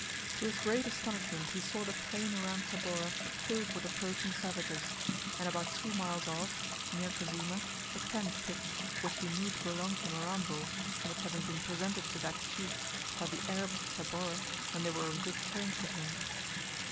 To his great astonishment he saw the plain around Tabora filled with approaching savages, and about two miles off, near Kazima, a tent pitched, which he knew to belong to Mirambo, from its having been presented to that chief by the Arabs of Tabora when they were on good terms with him.